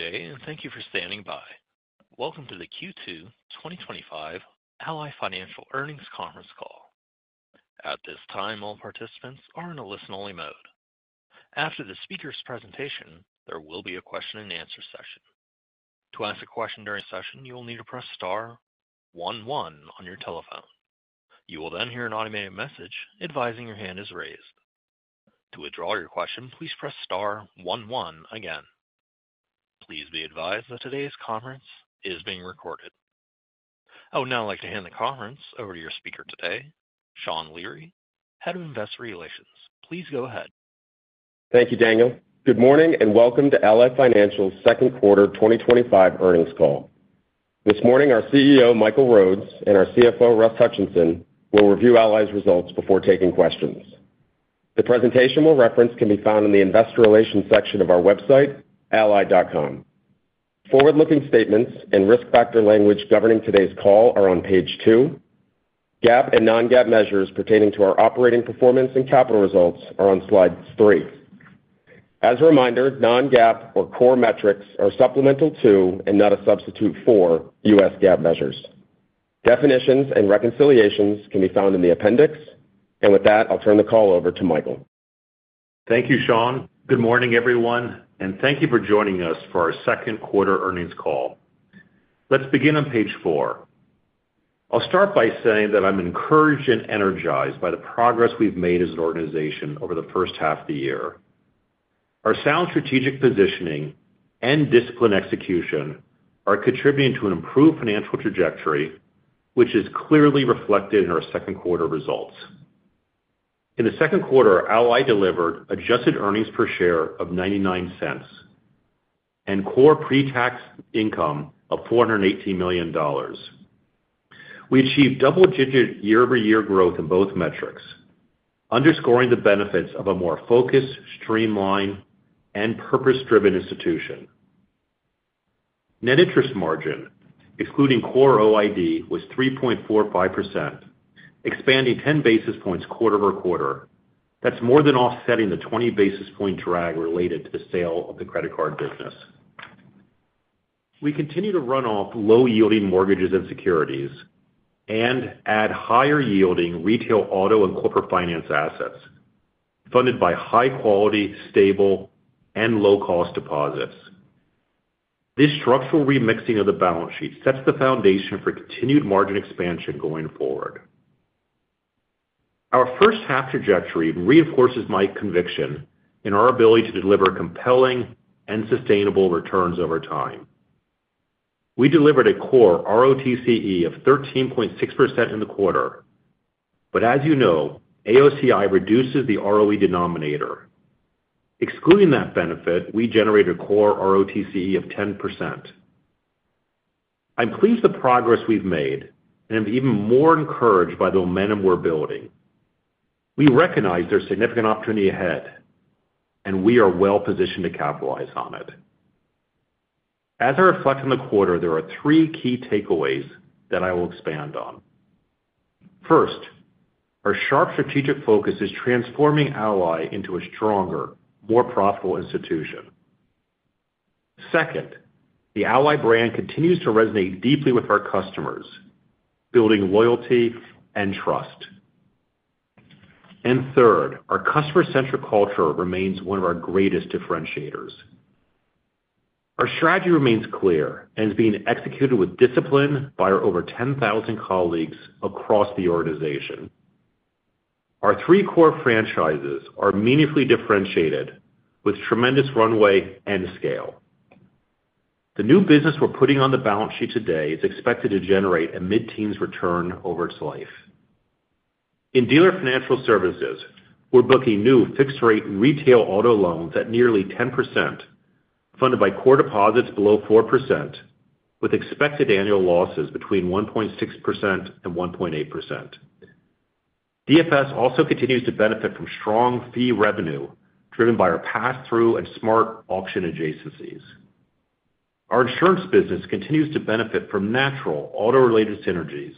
Good day, and thank you for standing by. Welcome to the Q2 2025 Ally Financial Earnings Conference Call. At this time, all participants are in listen-only mode. After the speaker's presentation, there will be a question-and-answer session. To ask a question during the session, press star 11 on your telephone. You will then hear an automated message advising that your hand is raised. To withdraw your question, press star 11 again. Please be advised that today's conference is being recorded. I would now like to hand the conference over to your speaker today, Sean Leary, Head of Investor Relations. Please go ahead. Thank you, Sean. Good morning, and welcome to Ally Financial's second quarter 2025 earnings call. This morning, our CEO, Michael Rhodes, and our CFO, Russell Hutchinson, will review Ally's results before taking questions. The presentation we'll reference can be found in the Investor Relations section of our website, ally.com. Forward-looking statements and risk factor language governing today's call are on page two. GAAP and non-GAAP measures pertaining to our operating performance and capital results are on slide three. As a reminder, non-GAAP or core metrics are supplemental to and not a substitute for U.S. GAAP measures. Definitions and reconciliations can be found in the appendix. With that, I'll turn the call over to Michael. Thank you, Sean. Good morning, everyone, and thank you for joining us for our second quarter earnings call. Let's begin on page four. I'll start by saying that I'm encouraged and energized by the progress we've made as an organization over the first half of the year. Our sound strategic positioning and disciplined execution are contributing to an improved financial trajectory, which is clearly reflected in our second quarter results. In the second quarter, Ally delivered adjusted earnings per share of $0.99 and core pre-tax income of $418 million. We achieved double-digit year-over-year growth in both metrics, underscoring the benefits of a more focused, streamlined, and purpose-driven institution. Net interest margin, excluding core OID, was 3.45%, expanding 10 basis points quarter over quarter, more than offsetting the 20 basis point drag related to the sale of the credit card business. We continue to run off low-yielding mortgages and securities and add higher-yielding retail auto and corporate finance assets funded by high-quality, stable, and low-cost deposits. This structural remixing of the balance sheet sets the foundation for continued margin expansion going forward. Our first half trajectory reinforces my conviction in our ability to deliver compelling and sustainable returns over time. We delivered a core ROTCE of 13.6% in the quarter. Excluding the AOCI impact, we generated a core ROTCE of 10%. I'm pleased with the progress we've made and am even more encouraged by the momentum we're building. We recognize there's significant opportunity ahead, and we are well-positioned to capitalize on it. As I reflect on the quarter, there are three key takeaways that I will expand on. First, our sharp strategic focus is transforming Ally into a stronger, more profitable institution. Second, the Ally brand continues to resonate deeply with our customers, building loyalty and trust. Third, our customer-centric culture remains one of our greatest differentiators. Our strategy remains clear and is being executed with discipline by our over 10,000 colleagues across the organization. Our three core franchises are meaningfully differentiated with tremendous runway and scale. The new business we're putting on the balance sheet today is expected to generate a mid-teens return over its life. In dealer financial services, we're booking new fixed-rate retail auto loans at nearly 10%, funded by core deposits below 4%, with expected annual losses between 1.6% and 1.8%. DFS also continues to benefit from strong fee revenue driven by our pass-through and Smart Auction adjacencies. Our insurance business continues to benefit from natural auto-related synergies,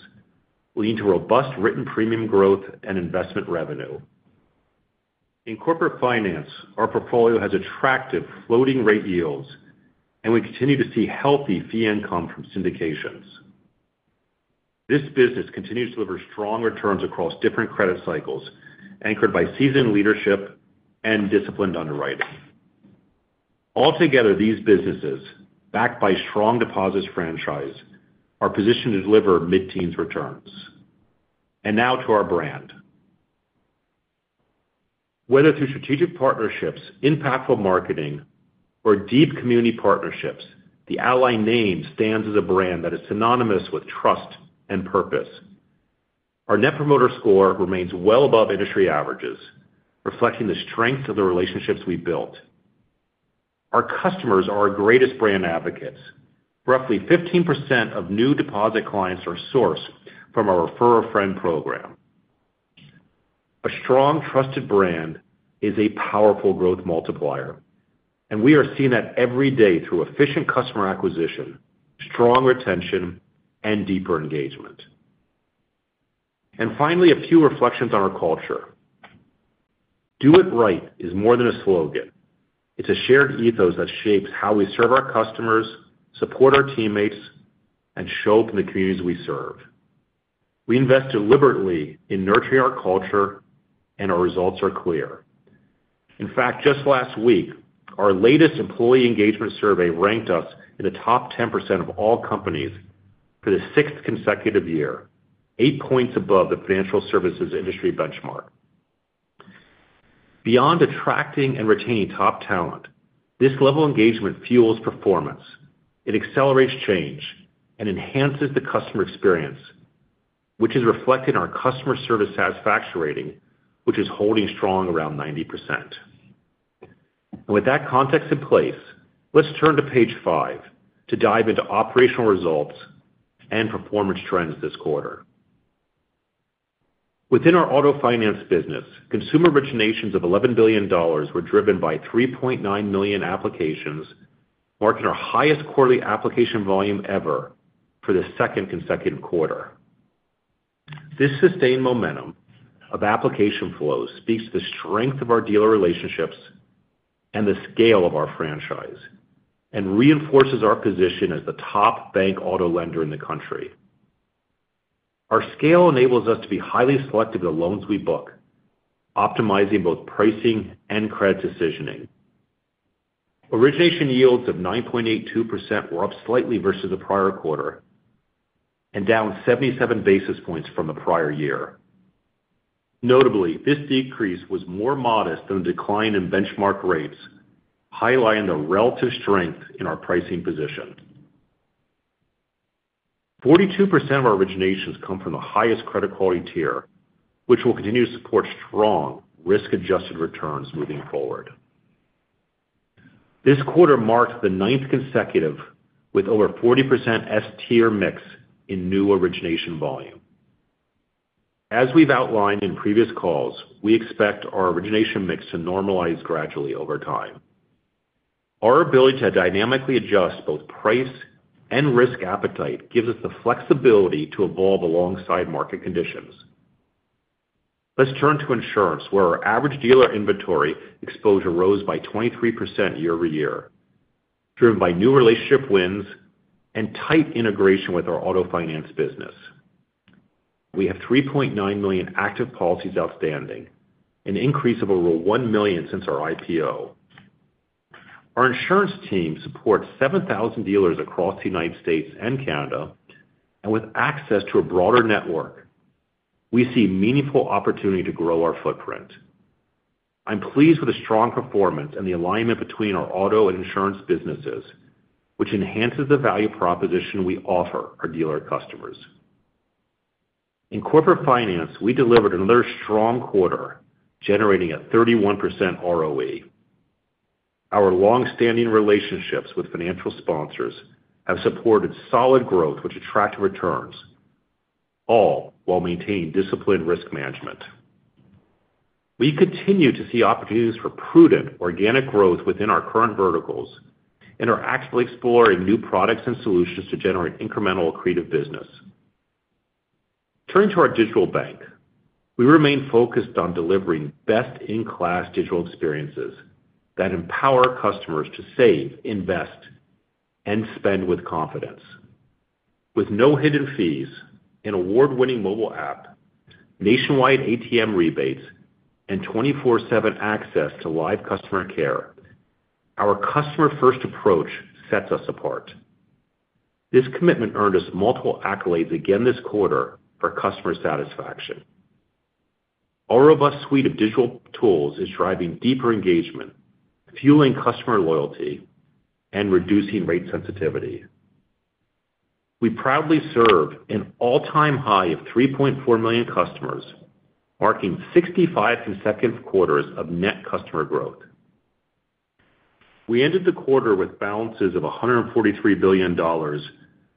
leading to robust written premium growth and investment revenue. In corporate finance, our portfolio has attractive floating-rate yields, and we continue to see healthy fee income from syndications. This business continues to deliver strong returns across different credit cycles, anchored by seasoned leadership and disciplined underwriting. Altogether, these businesses, backed by a strong deposits franchise, are positioned to deliver mid-teens returns. Now to our brand. Whether through strategic partnerships, impactful marketing, or deep community partnerships, the Ally name stands as a brand synonymous with trust and purpose. Our net promoter score remains well above industry averages, reflecting the strength of the relationships we've built. Roughly 15% of new deposit clients are sourced from our referral-friend program. A strong, trusted brand is a powerful growth multiplier, and we are seeing that every day through efficient customer acquisition, strong retention, and deeper engagement. Finally, a few reflections on our culture. Do it right" is more than a slogan. It's a shared ethos that shapes how we serve our customers, support our teammates, and show up in the communities we serve. We invest deliberately in nurturing our culture, and our results are clear. Just last week, our latest employee engagement survey ranked us in the top 10% of all companies for the sixth consecutive year, eight points above the financial services industry benchmark. Beyond attracting and retaining top talent, this level of engagement fuels performance. It accelerates change and enhances the customer experience, which is reflected in our customer service satisfaction rating, holding strong around 90%. With that context, let's turn to page five to dive into operational results and performance trends this quarter. Within our auto finance business, consumer originations of $11 billion were driven by 3.9 million applications, marking our highest quarterly application volume ever for the second consecutive quarter. This sustained momentum of application flows speaks to the strength of our dealer relationships and the scale of our franchise, and reinforces our position as the top bank auto lender in the country. Our scale enables us to be highly selective in the loans we book, optimizing both pricing and credit decisioning. Origination yields of 9.82% were up slightly versus the prior quarter and down 77 basis points from the prior year. Notably, this decrease was more modest than the decline in benchmark rates, highlighting the relative strength in our pricing position. 42% of our originations come from the highest credit quality tier, which will continue to support strong, risk-adjusted returns moving forward. This quarter marked the ninth consecutive with over 40% S-tier mix in new origination volume. As we've outlined in previous calls, we expect our origination mix to normalize gradually over time. Our ability to dynamically adjust both price and risk appetite gives us the flexibility to evolve alongside market conditions. Let's turn to insurance, where our average dealer inventory exposure rose by 23% year-over-year, driven by new relationship wins and tight integration with our auto finance business. We have 3.9 million active policies outstanding, an increase of over 1 million since our IPO. Our insurance team supports 7,000 dealers across the United States and Canada, and with access to a broader network. We see meaningful opportunity to grow our footprint. I'm pleased with the strong performance and the alignment between our auto and insurance businesses, which enhances the value proposition we offer our dealer customers. In corporate finance, we delivered another strong quarter, generating a 31% ROE. Our long-standing relationships with financial sponsors have supported solid growth, which attracted returns, all while maintaining disciplined risk management. We continue to see opportunities for prudent, organic growth within our current verticals and are actively exploring new products and solutions to generate incremental creative business. Turning to our digital bank, we remain focused on delivering best-in-class digital experiences that empower customers to save, invest, and spend with confidence. With no hidden fees, an award-winning mobile app, nationwide ATM rebates, and 24/7 access to live customer care, our customer-first approach sets us apart. This commitment earned us multiple accolades again this quarter for customer satisfaction. Our robust suite of digital tools is driving deeper engagement, fueling customer loyalty, and reducing rate sensitivity. We proudly serve an all-time high of 3.4 million customers, marking 65 consecutive quarters of net customer growth. We ended the quarter with balances of $143 billion,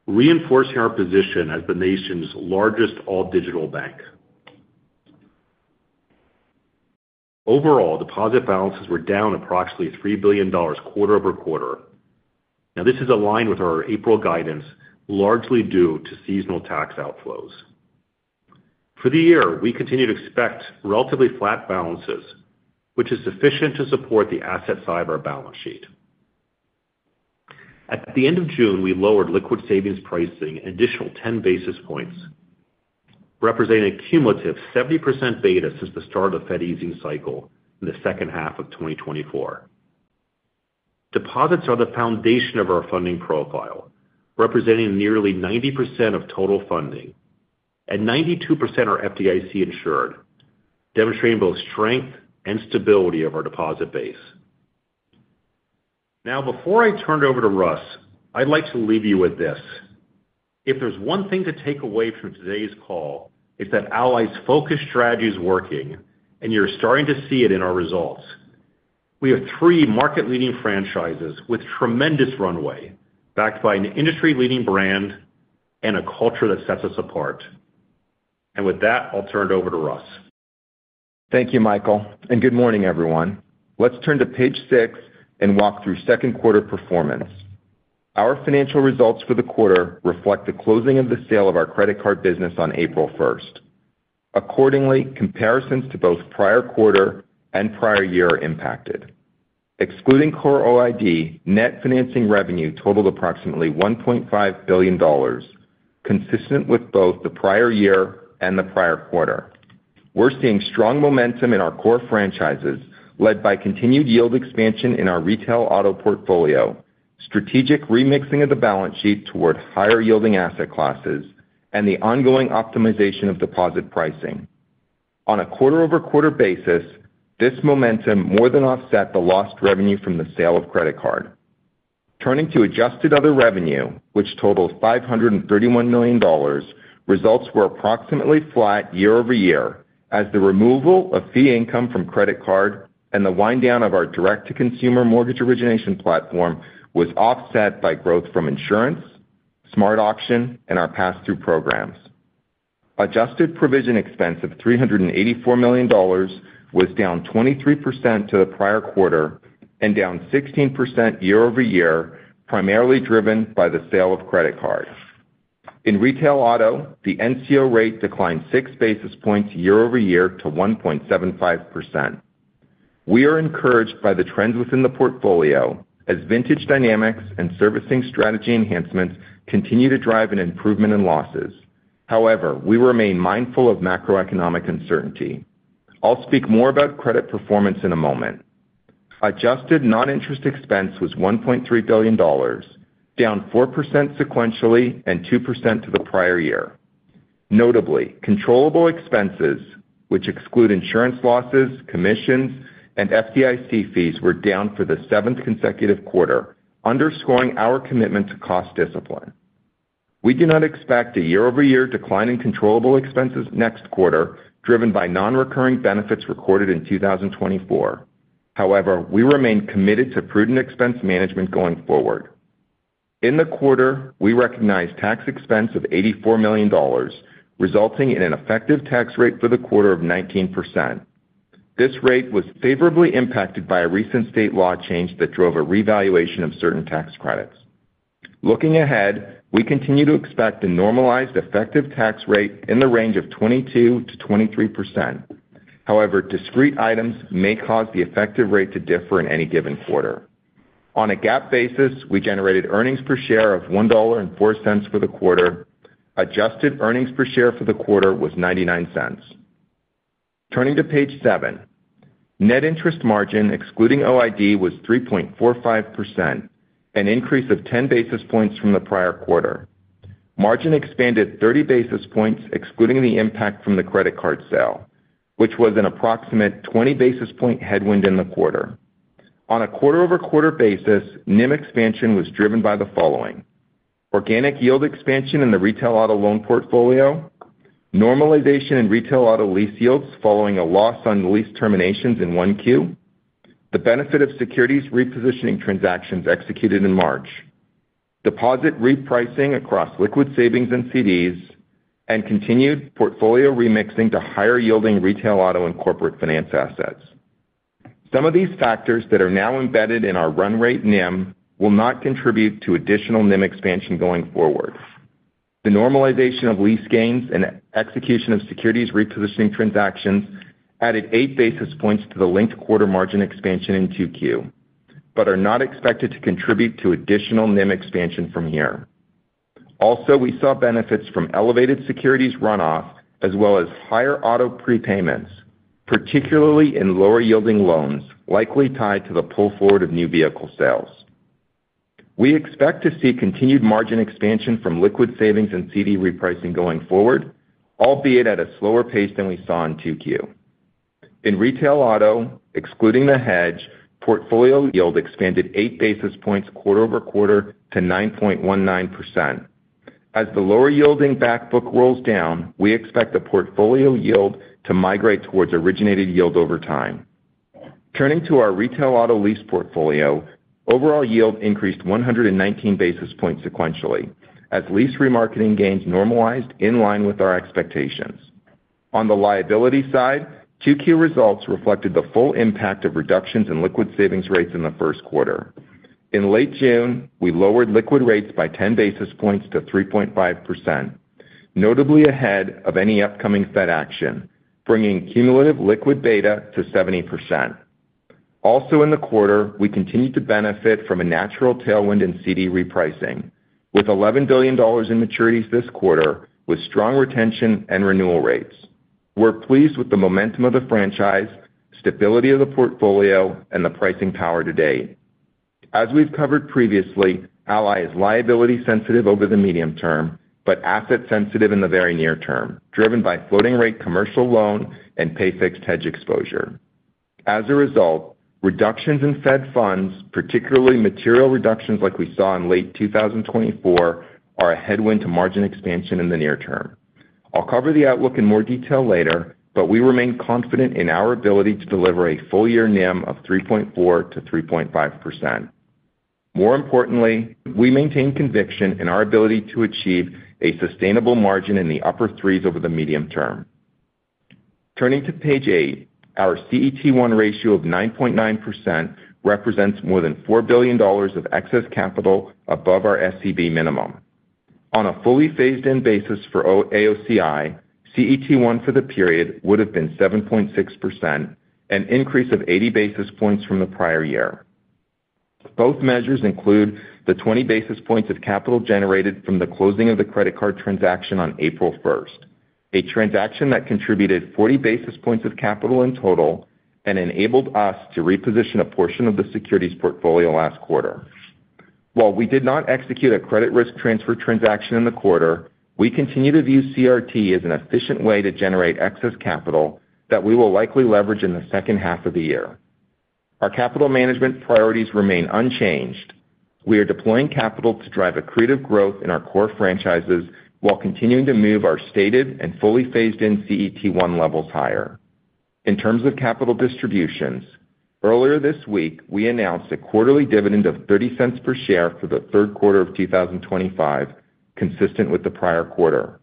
reinforcing our position as the nation's largest all-digital bank. Overall, deposit balances were down approximately $3 billion quarter over quarter, which is aligned with our April guidance, largely due to seasonal tax outflows. For the year, we continue to expect relatively flat balances, which is sufficient to support the asset side of our balance sheet. At the end of June, we lowered liquid savings pricing an additional 10 basis points, representing a cumulative 70% beta since the start of the Fed easing cycle in the second half of 2024. Deposits are the foundation of our funding profile, representing nearly 90% of total funding, and 92% are FDIC insured, demonstrating both strength and stability of our deposit base. Now, before I turn it over to Russ, I'd like to leave you with this. If there's one thing to take away from today's call, it's that Ally's focused strategy is working, and you're starting to see it in our results. We have three market-leading franchises with tremendous runway, backed by an industry-leading brand and a culture that sets us apart. With that, I'll turn it over to Russ. Thank you, Michael, and good morning, everyone. Let's turn to page six and walk through second quarter performance. Our financial results for the quarter reflect the closing of the sale of our credit card business on April 1. Accordingly, comparisons to both prior quarter and prior year are impacted. Excluding core OID, net financing revenue totaled approximately $1.5 billion, consistent with both the prior year and the prior quarter. We're seeing strong momentum in our core franchises, led by continued yield expansion in our retail auto portfolio, strategic remixing of the balance sheet toward higher-yielding asset classes, and the ongoing optimization of deposit pricing. On a quarter-over-quarter basis, this momentum more than offset the lost revenue from the sale of credit card. Turning to adjusted other revenue, which totaled $531 million, results were approximately flat year-over-year as the removal of fee income from credit card and the wind-down of our direct-to-consumer mortgage origination platform was offset by growth from insurance, smart auction, and our pass-through programs. Adjusted provision expense of $384 million was down 23% from the prior quarter and down 16% year-over-year, primarily driven by the sale of credit card. In retail auto, the NCO rate declined six basis points year-over-year to 1.75%. We are encouraged by the trends within the portfolio as vintage dynamics and servicing strategy enhancements continue to drive an improvement in losses. However, we remain mindful of macroeconomic uncertainty. I'll speak more about credit performance in a moment. Adjusted non-interest expense was $1.3 billion, down 4% sequentially and 2% from the prior year. Notably, controllable expenses, which exclude insurance losses, commissions, and FDIC fees, were down for the seventh consecutive quarter, underscoring our commitment to cost discipline. We do not expect a year-over-year decline in controllable expenses next quarter, driven by non-recurring benefits recorded in 2024. However, we remain committed to prudent expense management going forward. In the quarter, we recognized tax expense of $84 million, resulting in an effective tax rate for the quarter of 19%. This rate was favorably impacted by a recent state law change that drove a revaluation of certain tax credits. Looking ahead, we continue to expect a normalized effective tax rate in the range of 22%-23%. However, discrete items may cause the effective rate to differ in any given quarter. On a GAAP basis, we generated earnings per share of $1.04 for the quarter. Adjusted earnings per share for the quarter was $0.99. Turning to page seven, net interest margin, excluding OID, was 3.45%, an increase of 10 basis points from the prior quarter. Margin expanded 30 basis points, excluding the impact from the credit card sale, which was an approximate 20 basis point headwind in the quarter. On a quarter-over-quarter basis, NIM expansion was driven by the following: organic yield expansion in the retail auto loan portfolio, normalization in retail auto lease yields following a loss on lease terminations in one queue, the benefit of securities repositioning transactions executed in March, deposit repricing across liquid savings and CDs, and continued portfolio remixing to higher-yielding retail auto and corporate finance assets. Some of these factors that are now embedded in our run-rate NIM will not contribute to additional NIM expansion going forward. The normalization of lease gains and execution of securities repositioning transactions added eight basis points to the linked quarter margin expansion in Q2, but are not expected to contribute to additional NIM expansion from here. Also, we saw benefits from elevated securities runoff, as well as higher auto prepayments, particularly in lower-yielding loans, likely tied to the pull forward of new vehicle sales. We expect to see continued margin expansion from liquid savings and CD repricing going forward, albeit at a slower pace than we saw in Q2. In retail auto, excluding the hedge, portfolio yield expanded eight basis points quarter over quarter to 9.19%. As the lower-yielding backbook rolls down, we expect the portfolio yield to migrate towards originated yield over time. Turning to our retail auto lease portfolio, overall yield increased 119 basis points sequentially as lease remarketing gains normalized in line with our expectations. On the liability side, Q2 results reflected the full impact of reductions in liquid savings rates in the first quarter. In late June, we lowered liquid rates by 10 basis points to 3.5%, notably ahead of any upcoming Fed action, bringing cumulative liquid beta to 70%. Also, in the quarter, we continued to benefit from a natural tailwind in CD repricing, with $11 billion in maturities this quarter, with strong retention and renewal rates. We're pleased with the momentum of the franchise, stability of the portfolio, and the pricing power to date. As we've covered previously, Ally is liability-sensitive over the medium term, but asset-sensitive in the very near term, driven by floating rate commercial loan and pay-fixed hedge exposure. As a result, reductions in Fed funds, particularly material reductions like we saw in late 2024, are a headwind to margin expansion in the near term. I'll cover the outlook in more detail later, but we remain confident in our ability to deliver a full-year NIM of 3.4%-3.5%. More importantly, we maintain conviction in our ability to achieve a sustainable margin in the upper threes over the medium term. Turning to page eight, our CET1 ratio of 9.9% represents more than $4 billion of excess capital above our SCB minimum. On a fully phased-in basis for AOCI, CET1 for the period would have been 7.6%, an increase of 80 basis points from the prior year. Both measures include the 20 basis points of capital generated from the closing of the credit card transaction on April 1, a transaction that contributed 40 basis points of capital in total and enabled us to reposition a portion of the securities portfolio last quarter. While we did not execute a credit risk transfer transaction in the quarter, we continue to view CRT as an efficient way to generate excess capital that we will likely leverage in the second half of the year. Our capital management priorities remain unchanged. We are deploying capital to drive accretive growth in our core franchises while continuing to move our stated and fully phased-in CET1 levels higher. In terms of capital distributions, earlier this week, we announced a quarterly dividend of $0.30 per share for the third quarter of 2025, consistent with the prior quarter.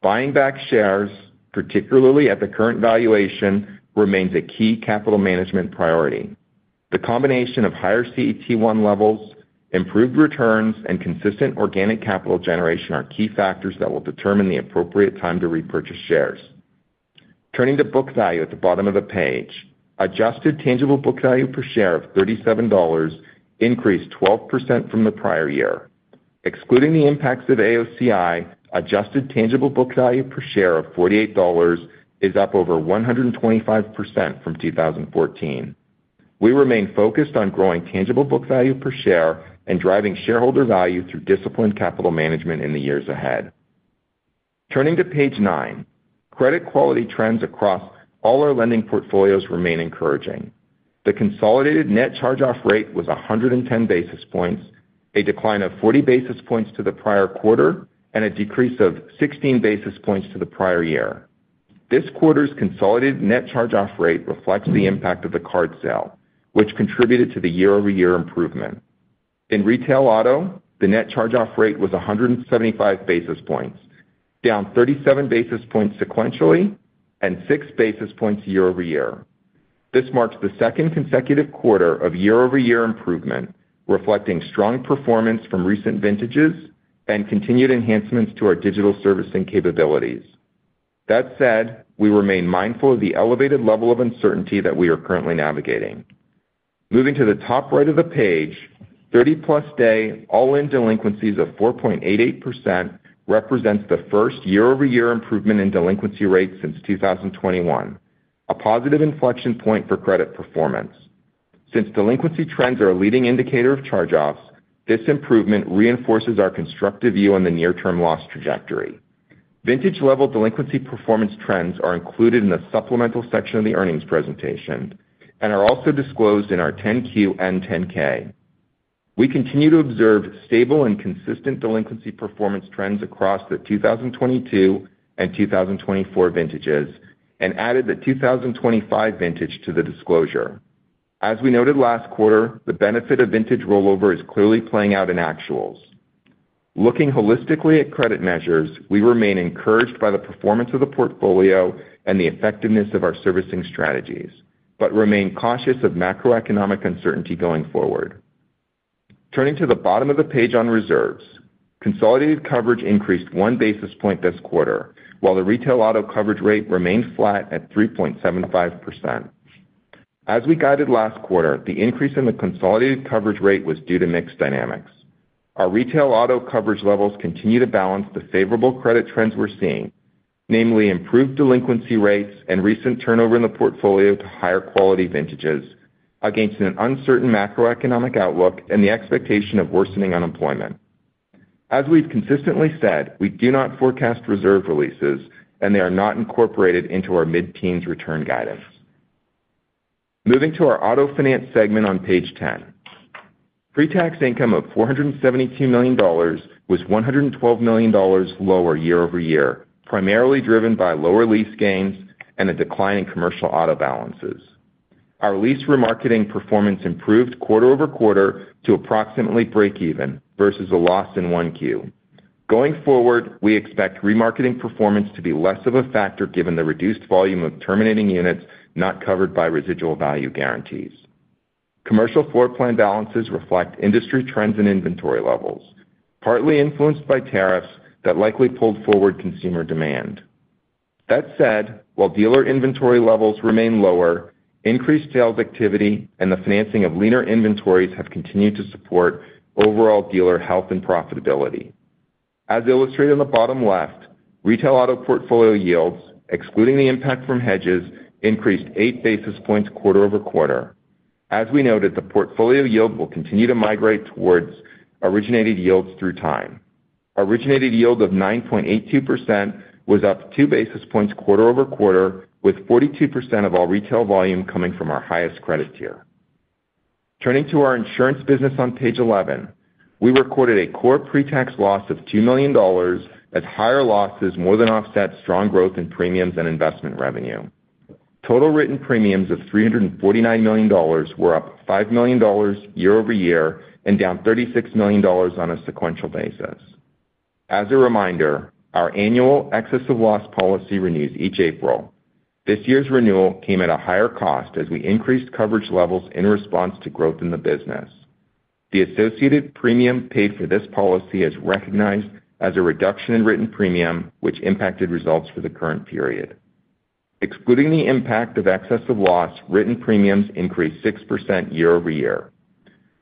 Buying back shares, particularly at the current valuation, remains a key capital management priority. The combination of higher CET1 levels, improved returns, and consistent organic capital generation are key factors that will determine the appropriate time to repurchase shares. Turning to book value at the bottom of the page, adjusted tangible book value per share of $37 increased 12% from the prior year. Excluding the impacts of AOCI, adjusted tangible book value per share of $48 is up over 125% from 2014. We remain focused on growing tangible book value per share and driving shareholder value through disciplined capital management in the years ahead. Turning to page nine, credit quality trends across all our lending portfolios remain encouraging. The consolidated net charge-off rate was 110 basis points, a decline of 40 basis points to the prior quarter, and a decrease of 16 basis points to the prior year. This quarter's consolidated net charge-off rate reflects the impact of the card sale, which contributed to the year-over-year improvement. In retail auto, the net charge-off rate was 175 basis points, down 37 basis points sequentially and 6 basis points year-over-year. This marks the second consecutive quarter of year-over-year improvement, reflecting strong performance from recent vintages and continued enhancements to our digital servicing capabilities. That said, we remain mindful of the elevated level of uncertainty that we are currently navigating. Moving to the top right of the page, 30-plus day all-in delinquencies of 4.88% represents the first year-over-year improvement in delinquency rates since 2021, a positive inflection point for credit performance. Since delinquency trends are a leading indicator of charge-offs, this improvement reinforces our constructive view on the near-term loss trajectory. Vintage-level delinquency performance trends are included in the supplemental section of the earnings presentation and are also disclosed in our 10Q and 10K. We continue to observe stable and consistent delinquency performance trends across the 2022 and 2024 vintages and added the 2025 vintage to the disclosure. As we noted last quarter, the benefit of vintage rollover is clearly playing out in actuals. Looking holistically at credit measures, we remain encouraged by the performance of the portfolio and the effectiveness of our servicing strategies, but remain cautious of macroeconomic uncertainty going forward. Turning to the bottom of the page on reserves, consolidated coverage increased one basis point this quarter, while the retail auto coverage rate remained flat at 3.75%. As we guided last quarter, the increase in the consolidated coverage rate was due to mixed dynamics. Our retail auto coverage levels continue to balance the favorable credit trends we're seeing, namely improved delinquency rates and recent turnover in the portfolio to higher quality vintages against an uncertain macroeconomic outlook and the expectation of worsening unemployment. As we've consistently said, we do not forecast reserve releases, and they are not incorporated into our mid-teens return guidance. Moving to our auto finance segment on page 10. Pre-tax income of $472 million was $112 million lower year-over-year, primarily driven by lower lease gains and a decline in commercial auto balances. Our lease remarketing performance improved quarter over quarter to approximately break-even versus a loss in one queue. Going forward, we expect remarketing performance to be less of a factor given the reduced volume of terminating units not covered by residual value guarantees. Commercial floor plan balances reflect industry trends and inventory levels, partly influenced by tariffs that likely pulled forward consumer demand. That said, while dealer inventory levels remain lower, increased sales activity and the financing of leaner inventories have continued to support overall dealer health and profitability. As illustrated on the bottom left, retail auto portfolio yields, excluding the impact from hedges, increased eight basis points quarter over quarter. As we noted, the portfolio yield will continue to migrate towards originated yields through time. Originated yield of 9.82% was up two basis points quarter over quarter, with 42% of all retail volume coming from our highest credit tier. Turning to our insurance business on page 11, we recorded a core pre-tax loss of $2 million as higher losses more than offset strong growth in premiums and investment revenue. Total written premiums of $349 million were up $5 million year-over-year and down $36 million on a sequential basis. As a reminder, our annual excessive loss policy renews each April. This year's renewal came at a higher cost as we increased coverage levels in response to growth in the business. The associated premium paid for this policy is recognized as a reduction in written premium, which impacted results for the current period. Excluding the impact of excessive loss, written premiums increased 6% year-over-year.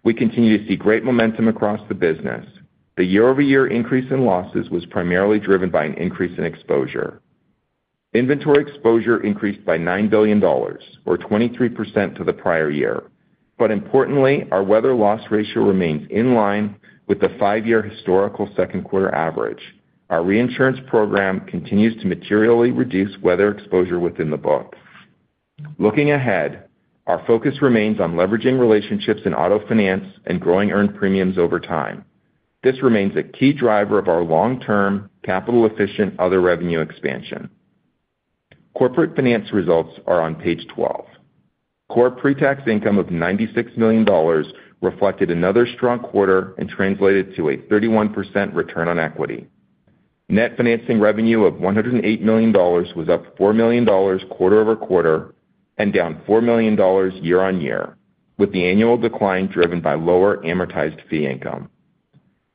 We continue to see great momentum across the business. The year-over-year increase in losses was primarily driven by an increase in exposure. Inventory exposure increased by $9 billion, or 23% to the prior year. Importantly, our weather loss ratio remains in line with the five-year historical second quarter average. Our reinsurance program continues to materially reduce weather exposure within the book. Looking ahead, our focus remains on leveraging relationships in auto finance and growing earned premiums over time. This remains a key driver of our long-term capital-efficient other revenue expansion. Corporate finance results are on page 12. Core pre-tax income of $96 million reflected another strong quarter and translated to a 31% return on equity. Net financing revenue of $108 million was up $4 million quarter over quarter and down $4 million year-on-year, with the annual decline driven by lower amortized fee income.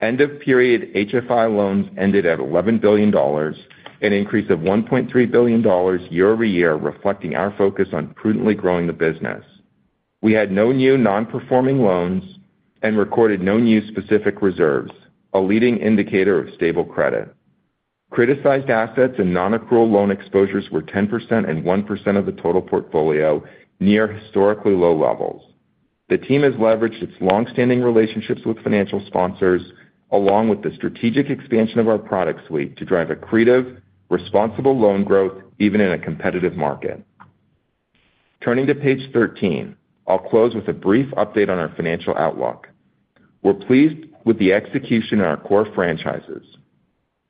End-of-period HFI loans ended at $11 billion, an increase of $1.3 billion year-over-year, reflecting our focus on prudently growing the business. We had no new non-performing loans and recorded no new specific reserves, a leading indicator of stable credit. Criticized assets and non-accrual loan exposures were 10% and 1% of the total portfolio, near historically low levels. The team has leveraged its long-standing relationships with financial sponsors, along with the strategic expansion of our product suite to drive accretive, responsible loan growth even in a competitive market. Turning to page 13, I'll close with a brief update on our financial outlook. We're pleased with the execution in our core franchises.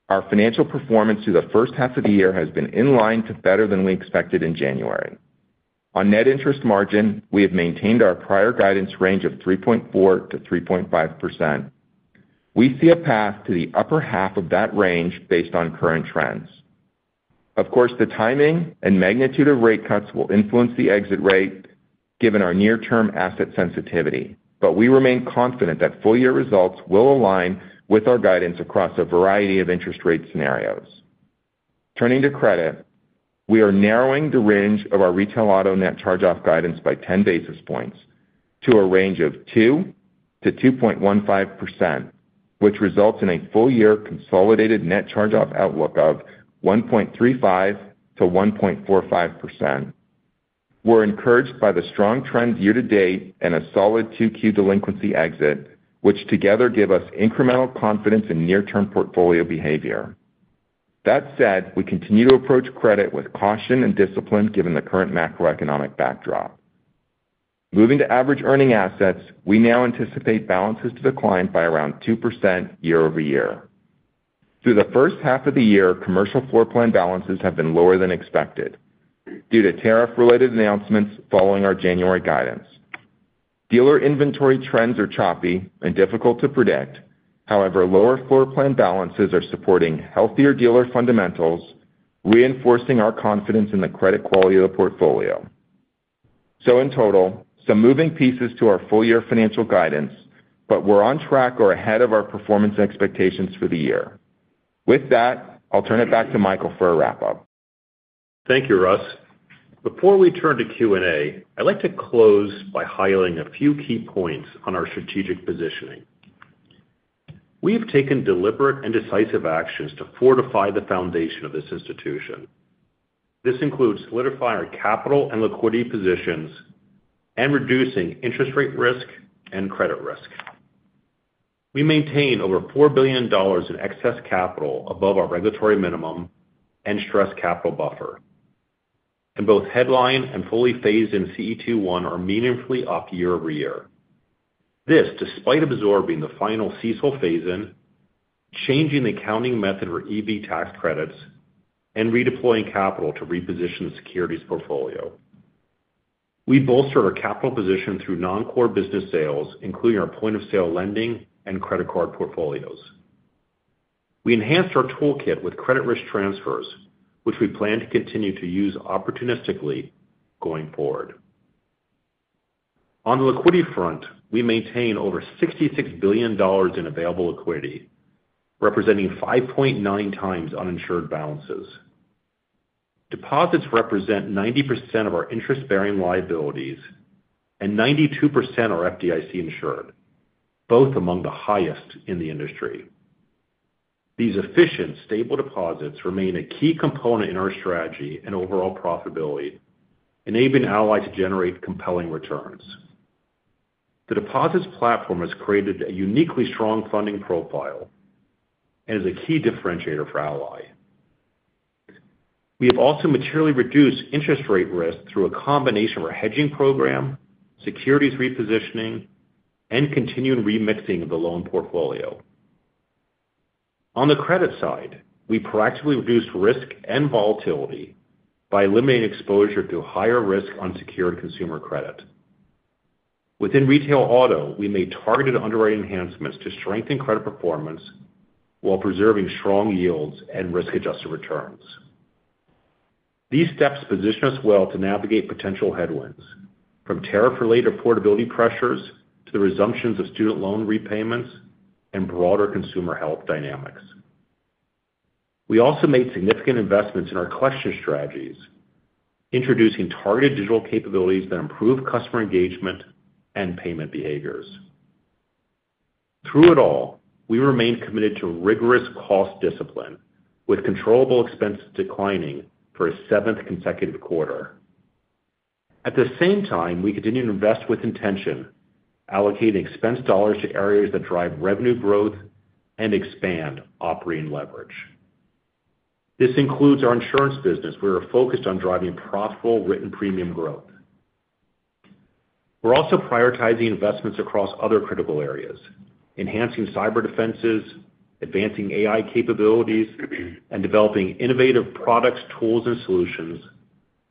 Our financial performance through the first half of the year has been in line to better than we expected in January. On net interest margin, we have maintained our prior guidance range of 3.4%-3.5%. We see a path to the upper half of that range based on current trends. Of course, the timing and magnitude of rate cuts will influence the exit rate, given our near-term asset sensitivity, but we remain confident that full-year results will align with our guidance across a variety of interest rate scenarios. Turning to credit, we are narrowing the range of our retail auto net charge-off guidance by 10 basis points to a range of 2%-2.15%, which results in a full-year consolidated net charge-off outlook of 1.35%-1.45%. We're encouraged by the strong trends year-to-date and a solid two-queue delinquency exit, which together give us incremental confidence in near-term portfolio behavior. That said, we continue to approach credit with caution and discipline given the current macroeconomic backdrop. Moving to average earning assets, we now anticipate balances to decline by around 2% year-over-year. Through the first half of the year, commercial floor plan balances have been lower than expected due to tariff-related announcements following our January guidance. Dealer inventory trends are choppy and difficult to predict. However, lower floor plan balances are supporting healthier dealer fundamentals, reinforcing our confidence in the credit quality of the portfolio. In total, some moving pieces to our full-year financial guidance, but we're on track or ahead of our performance expectations for the year. With that, I'll turn it back to Michael for a wrap-up. Thank you, Russ. Before we turn to Q&A, I'd like to close by highlighting a few key points on our strategic positioning. We have taken deliberate and decisive actions to fortify the foundation of this institution. This includes solidifying our capital and liquidity positions and reducing interest rate risk and credit risk. We maintain over $4 billion in excess capital above our regulatory minimum and stress capital buffer. Both headline and fully phased-in CET1 are meaningfully up year-over-year. This is despite absorbing the final CECL phase-in, changing the accounting method for EV tax credits, and redeploying capital to reposition the securities portfolio. We bolstered our capital position through non-core business sales, including our point-of-sale lending and credit card portfolios. We enhanced our toolkit with credit risk transfers, which we plan to continue to use opportunistically going forward. On the liquidity front, we maintain over $66 billion in available liquidity, representing 5.9 times uninsured balances. Deposits represent 90% of our interest-bearing liabilities and 92% are FDIC insured, both among the highest in the industry. These efficient, stable deposits remain a key component in our strategy and overall profitability, enabling Ally to generate compelling returns. The deposits platform has created a uniquely strong funding profile and is a key differentiator for Ally. We have also materially reduced interest rate risk through a combination of our hedging program, securities repositioning, and continuing remixing of the loan portfolio. On the credit side, we proactively reduced risk and volatility by eliminating exposure to higher risk unsecured consumer credit. Within retail auto, we made targeted underwriting enhancements to strengthen credit performance while preserving strong yields and risk-adjusted returns. These steps position us well to navigate potential headwinds, from tariff-related portability pressures to the resumption of student loan repayments and broader consumer health dynamics. We also made significant investments in our collection strategies, introducing targeted digital capabilities that improve customer engagement and payment behaviors. Through it all, we remain committed to rigorous cost discipline, with controllable expenses declining for a seventh consecutive quarter. At the same time, we continue to invest with intention, allocating expense dollars to areas that drive revenue growth and expand operating leverage. This includes our insurance business, where we are focused on driving profitable written premium growth. We are also prioritizing investments across other critical areas, enhancing cyber defenses, advancing AI capabilities, and developing innovative products, tools, and solutions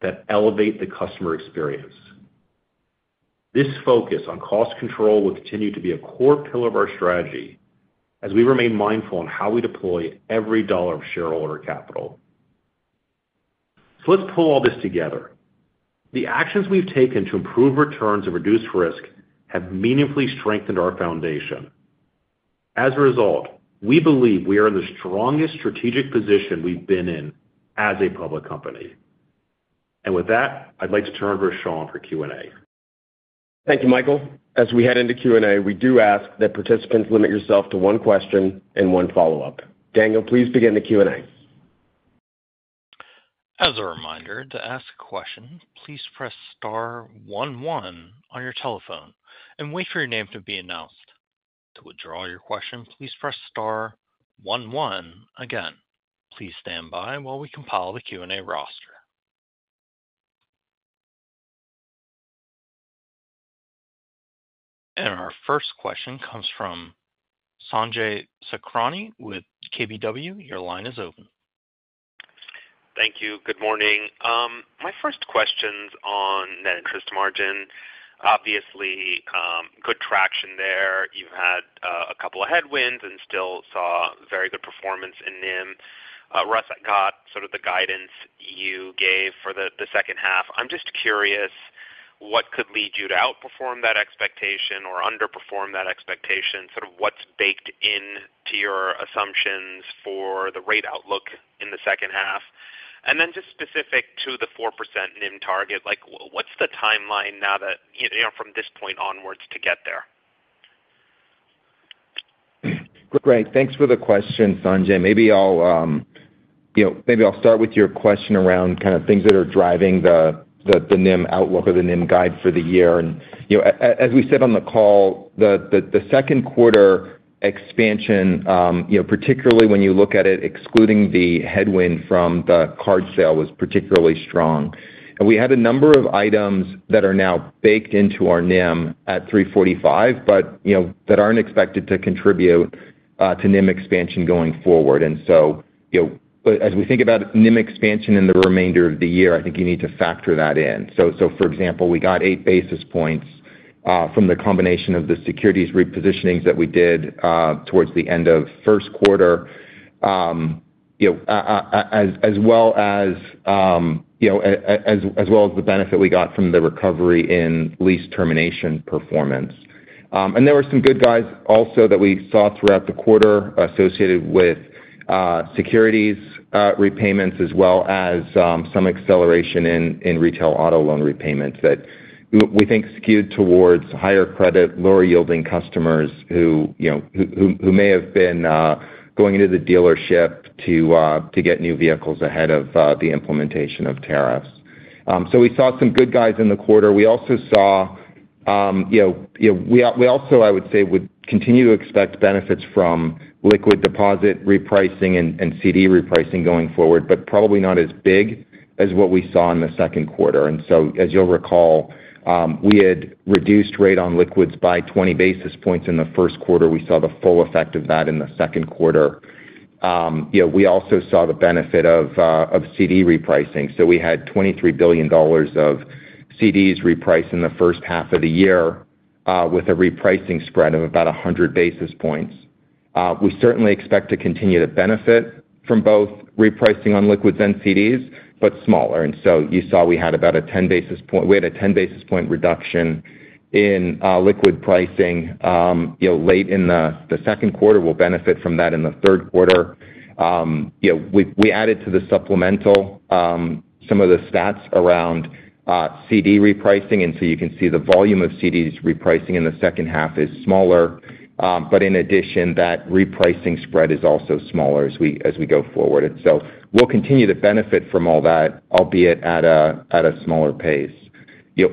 that elevate the customer experience. This focus on cost control will continue to be a core pillar of our strategy as we remain mindful on how we deploy every dollar of shareholder capital. Let us pull all this together. The actions we have taken to improve returns and reduce risk have meaningfully strengthened our foundation. As a result, we believe we are in the strongest strategic position we have been in as a public company. With that, I would like to turn it over to Sean for Q&A. Thank you, Michael. As we head into Q&A, we do ask that participants limit yourself to one question and one follow-up. Daniel, please begin the Q&A. As a reminder, to ask a question, please press star 11 on your telephone and wait for your name to be announced. To withdraw your question, please press star 11 again. Please stand by while we compile the Q&A roster. Our first question comes from Sanjay Sacrani with KBW. Your line is open. Thank you. Good morning. My first question's on net interest margin. Obviously, good traction there. You've had a couple of headwinds and still saw very good performance in NIM. Russ, I got sort of the guidance you gave for the second half. I'm just curious what could lead you to outperform that expectation or underperform that expectation. Sort of what's baked into your assumptions for the rate outlook in the second half? And then just specific to the 4% NIM target, what's the timeline now from this point onwards to get there? Great. Thanks for the question, Sanjay. Maybe I'll start with your question around kind of things that are driving the NIM outlook or the NIM guide for the year. As we said on the call, the second quarter expansion, particularly when you look at it excluding the headwind from the card sale, was particularly strong. We had a number of items that are now baked into our NIM at 3.45%, but that aren't expected to contribute to NIM expansion going forward. As we think about NIM expansion in the remainder of the year, I think you need to factor that in. For example, we got eight basis points from the combination of the securities repositionings that we did towards the end of first quarter, as well as the benefit we got from the recovery in lease termination performance. There were some good guys also that we saw throughout the quarter associated with securities repayments, as well as some acceleration in retail auto loan repayments that we think skewed towards higher credit, lower yielding customers who may have been going into the dealership to get new vehicles ahead of the implementation of tariffs. We saw some good guys in the quarter. We also saw, I would say, would continue to expect benefits from liquid deposit repricing and CD repricing going forward, but probably not as big as what we saw in the second quarter. As you'll recall, we had reduced rate on liquids by 20 basis points in the first quarter. We saw the full effect of that in the second quarter. We also saw the benefit of CD repricing. We had $23 billion of CDs repriced in the first half of the year with a repricing spread of about 100 basis points. We certainly expect to continue to benefit from both repricing on liquids and CDs, but smaller. You saw we had about a 10 basis point reduction in liquid pricing late in the second quarter. We'll benefit from that in the third quarter. We added to the supplemental some of the stats around CD repricing. You can see the volume of CDs repricing in the second half is smaller. In addition, that repricing spread is also smaller as we go forward. We will continue to benefit from all that, albeit at a smaller pace.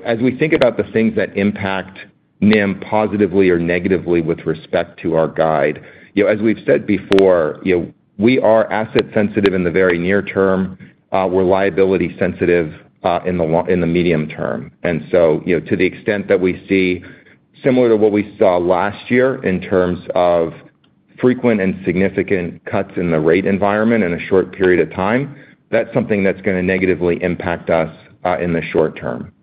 As we think about the things that impact NIM positively or negatively with respect to our guide, as we have said before, we are asset-sensitive in the very near term. We are liability-sensitive in the medium term. To the extent that we see, similar to what we saw last year, frequent and significant cuts in the rate environment in a short period of time, that is something that is going to negatively impact us in the short term.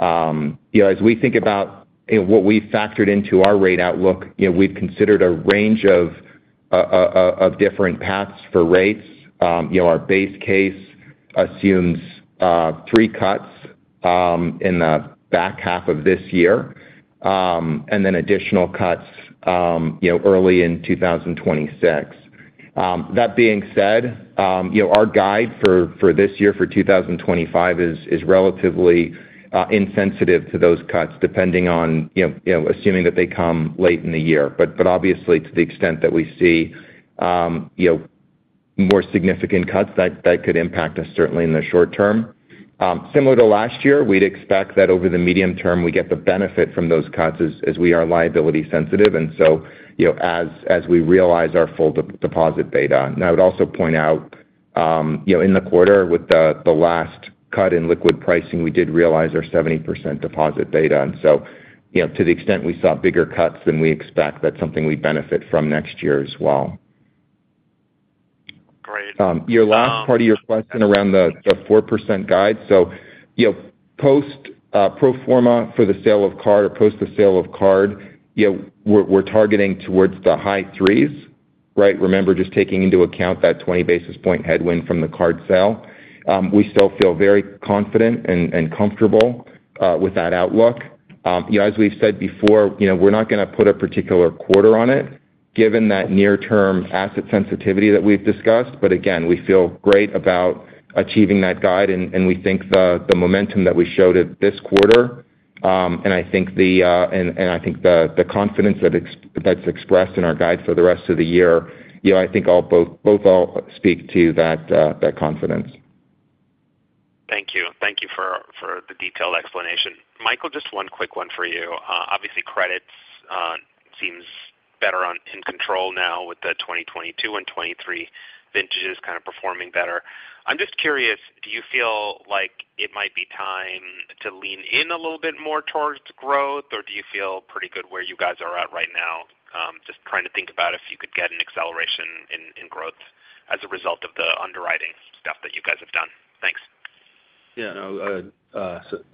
As we think about what we factored into our rate outlook, we have considered a range of different paths for rates. Our base case assumes three cuts in the back half of this year and then additional cuts early in 2026. That being said, our guide for this year, for 2025, is relatively insensitive to those cuts, assuming that they come late in the year. Obviously, to the extent that we see more significant cuts, that could impact us certainly in the short term. Similar to last year, we would expect that over the medium term, we get the benefit from those cuts as we are liability-sensitive. As we realize our full deposit beta, I would also point out in the quarter, with the last cut in liquid pricing, we did realize our 70% deposit beta. To the extent we saw bigger cuts than we expect, that is something we benefit from next year as well. Great. Your last part of your question around the 4% guide. Pro forma for the sale of card or post the sale of card, we are targeting towards the high threes, right? Remember, just taking into account that 20 basis point headwind from the card sale, we still feel very confident and comfortable with that outlook. As we have said before, we are not going to put a particular quarter on it, given that near-term asset sensitivity that we have discussed. Again, we feel great about achieving that guide. We think the momentum that we showed this quarter, and I think the confidence that is expressed in our guide for the rest of the year, both speak to that confidence. Thank you. Thank you for the detailed explanation. Michael, just one quick one for you. Obviously, credits seem better in control now with the 2022 and 2023 vintages kind of performing better. I am just curious, do you feel like it might be time to lean in a little bit more towards growth, or do you feel pretty good where you guys are at right now, just trying to think about if you could get an acceleration in growth as a result of the underwriting stuff that you guys have done? Thanks. Yeah.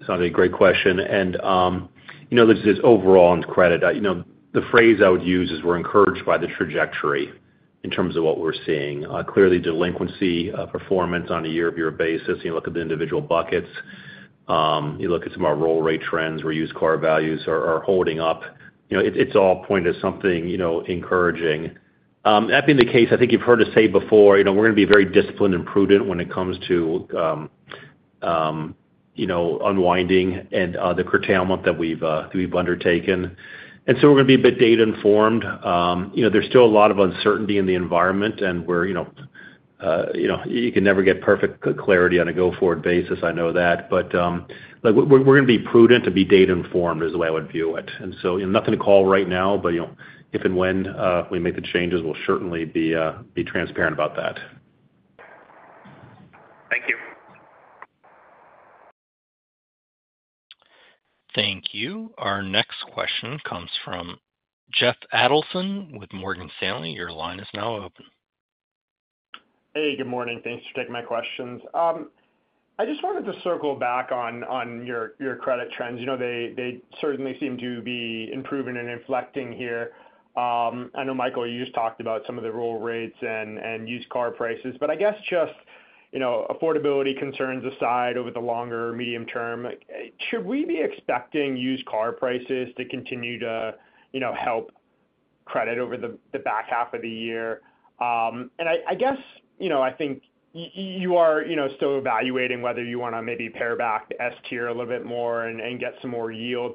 Sounds like a great question. This overall on credit, the phrase I would use is we're encouraged by the trajectory in terms of what we're seeing. Clearly, delinquency performance on a year-over-year basis. You look at the individual buckets. You look at some of our roll rate trends. We're used to our values are holding up. It's all pointing to something encouraging. That being the case, I think you've heard us say before, we're going to be very disciplined and prudent when it comes to unwinding and the curtailment that we've undertaken. We're going to be a bit data-informed. There's still a lot of uncertainty in the environment, and you can never get perfect clarity on a go-forward basis. I know that. We're going to be prudent and be data-informed is the way I would view it. Nothing to call right now, but if and when we make the changes, we'll certainly be transparent about that. Thank you. Thank you. Our next question comes from Jeff Adelson with Morgan Stanley. Your line is now open. Hey, good morning. Thanks for taking my questions. I just wanted to circle back on your credit trends. They certainly seem to be improving and inflecting here. I know, Michael, you just talked about some of the roll rates and used car prices. I guess just affordability concerns aside over the longer medium term, should we be expecting used car prices to continue to help credit over the back half of the year? I think you are still evaluating whether you want to maybe pare back the S-tier a little bit more and get some more yield.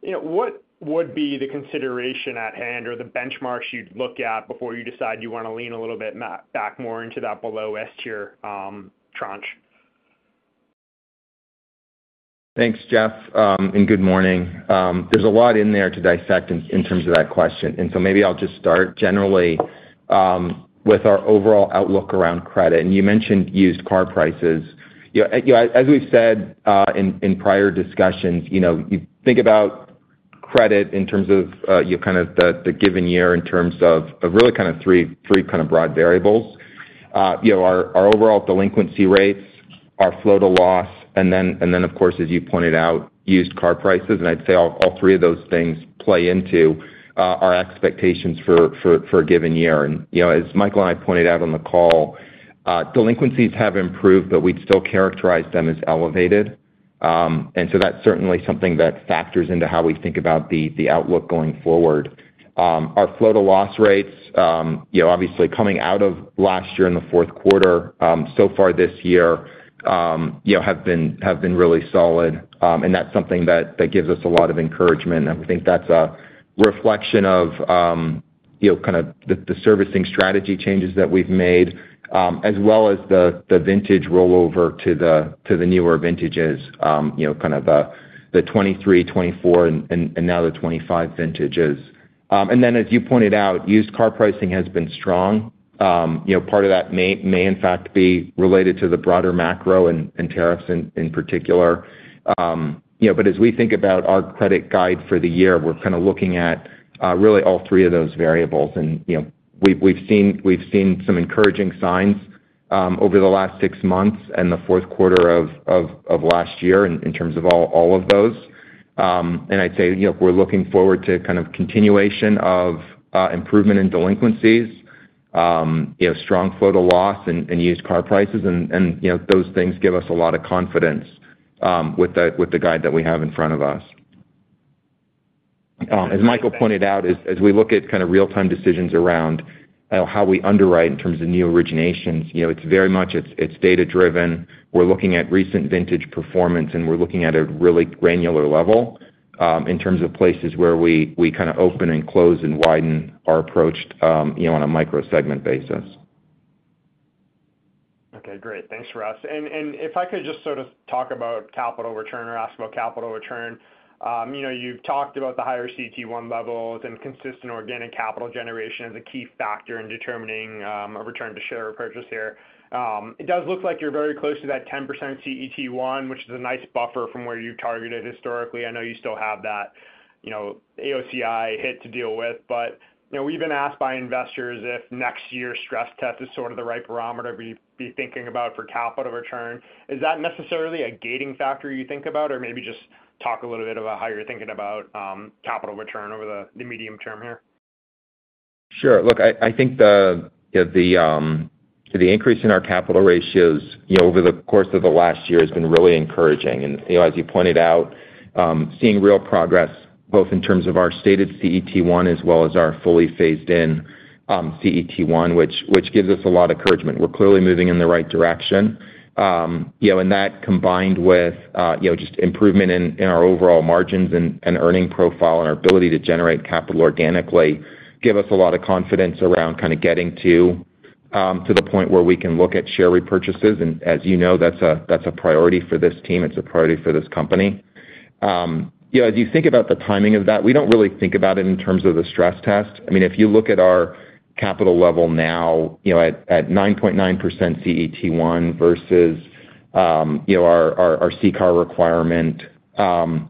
What would be the consideration at hand or the benchmarks you'd look at before you decide you want to lean a little bit back more into that below S-tier tranche? Thanks, Jeff. Good morning. There's a lot in there to dissect in terms of that question. Maybe I'll just start generally with our overall outlook around credit. You mentioned used car prices. As we've said in prior discussions, you think about credit in terms of the given year in terms of really three kind of broad variables. Our overall delinquency rates, our flow to loss, and then, of course, as you pointed out, used car prices. I'd say all three of those things play into our expectations for a given year. As Michael and I pointed out on the call, delinquencies have improved, but we'd still characterize them as elevated. That's certainly something that factors into how we think about the outlook going forward. Our flow to loss rates, obviously coming out of last year in the fourth quarter, so far this year, have been really solid. That's something that gives us a lot of encouragement. We think that's a reflection of. Kind of the servicing strategy changes that we've made, as well as the vintage rollover to the newer vintages, kind of the 2023, 2024, and now the 2025 vintages. As you pointed out, used car pricing has been strong. Part of that may, in fact, be related to the broader macro and tariffs in particular. As we think about our credit guide for the year, we're kind of looking at really all three of those variables. We've seen some encouraging signs over the last six months and the fourth quarter of last year in terms of all of those. I'd say we're looking forward to kind of continuation of improvement in delinquencies, strong flow to loss, and used car prices. Those things give us a lot of confidence with the guide that we have in front of us. As Michael pointed out, as we look at kind of real-time decisions around how we underwrite in terms of new originations, it's very much data-driven. We're looking at recent vintage performance, and we're looking at a really granular level in terms of places where we kind of open and close and widen our approach on a micro-segment basis. Okay. Great. Thanks, Russ. If I could just sort of talk about capital return or ask about capital return. You've talked about the higher CET1 levels and consistent organic capital generation as a key factor in determining a return-to-share purchase here. It does look like you're very close to that 10% CET1, which is a nice buffer from where you targeted historically. I know you still have that AOCI hit to deal with. We've been asked by investors if next year's stress test is sort of the right barometer we'd be thinking about for capital return. Is that necessarily a gating factor you think about, or maybe just talk a little bit about how you're thinking about capital return over the medium term here? Sure. Look, I think the increase in our capital ratios over the course of the last year has been really encouraging. As you pointed out, seeing real progress both in terms of our stated CET1 as well as our fully phased-in CET1, which gives us a lot of encouragement. We're clearly moving in the right direction. That combined with just improvement in our overall margins and earning profile and our ability to generate capital organically gives us a lot of confidence around kind of getting to the point where we can look at share repurchases. As you know, that's a priority for this team. It's a priority for this company. As you think about the timing of that, we don't really think about it in terms of the stress test. I mean, if you look at our capital level now at 9.9% CET1 versus our CCAR requirement at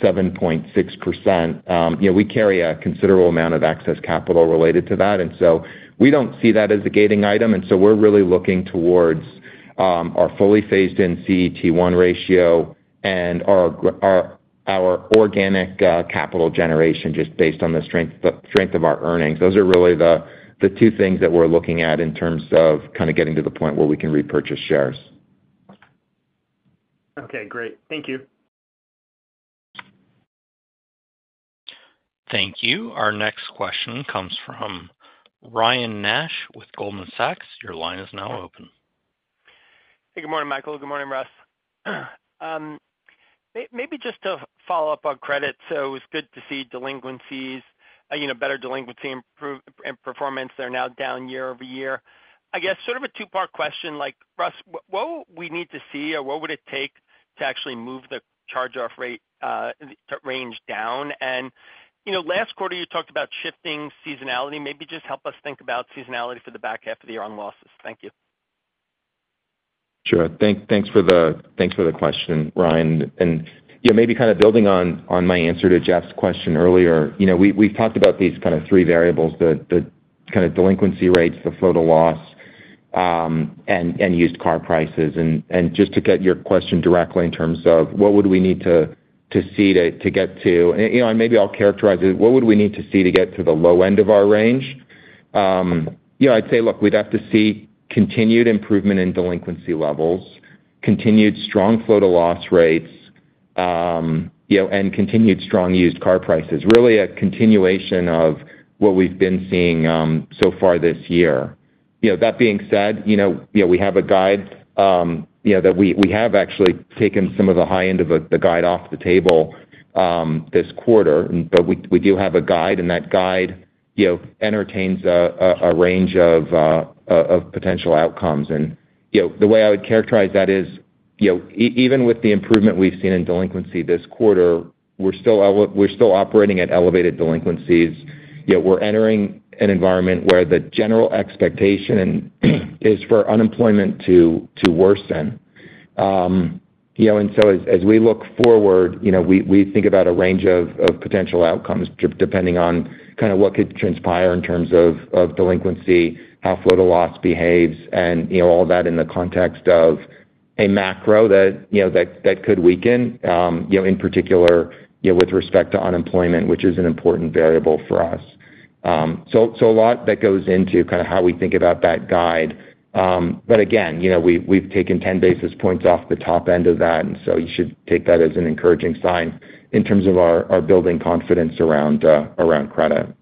7.6%, we carry a considerable amount of excess capital related to that. We do not see that as a gating item. We are really looking towards our fully phased-in CET1 ratio and our organic capital generation just based on the strength of our earnings. Those are really the two things that we are looking at in terms of kind of getting to the point where we can repurchase shares. Okay. Great. Thank you. Thank you. Our next question comes from Ryan Nash with Goldman Sachs. Your line is now open. Hey, good morning, Michael. Good morning, Russ. Maybe just to follow up on credit. It was good to see delinquencies, better delinquency and performance. They are now down year over year. I guess sort of a two-part question. Russ, what would we need to see, or what would it take to actually move the charge-off range down? Last quarter, you talked about shifting seasonality. Maybe just help us think about seasonality for the back half of the year on losses. Thank you. Sure. Thanks for the question, Ryan. Maybe kind of building on my answer to Jeff's question earlier, we have talked about these kind of three variables: the kind of delinquency rates, the flow to loss, and used car prices. Just to get to your question directly in terms of what would we need to see to get to—and maybe I will characterize it—what would we need to see to get to the low end of our range? I would say, look, we would have to see continued improvement in delinquency levels, continued strong flow to loss rates, and continued strong used car prices. Really a continuation of what we have been seeing so far this year. That being said, we have a guide. We have actually taken some of the high end of the guide off the table this quarter. We do have a guide, and that guide entertains a range of potential outcomes. The way I would characterize that is, even with the improvement we have seen in delinquency this quarter, we are still operating at elevated delinquencies. We are entering an environment where the general expectation is for unemployment to worsen. As we look forward, we think about a range of potential outcomes depending on kind of what could transpire in terms of delinquency, how flow to loss behaves, and all that in the context of a macro that could weaken, in particular with respect to unemployment, which is an important variable for us. There is a lot that goes into kind of how we think about that guide. Again, we have taken 10 basis points off the top end of that, and you should take that as an encouraging sign in terms of our building confidence around credit.